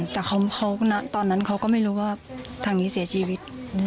แต่ตอนนั้นเขาก็ไม่รู้ว่าทางนี้เสียชีวิต